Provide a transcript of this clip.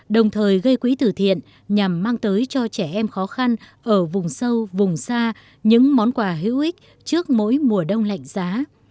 đồng thời gây quỹ từ thiện nhằm mang tới cho trẻ em khó khăn ở vùng sâu vùng xa những món quà hữu ích trước mỗi mùa đông lạnh giá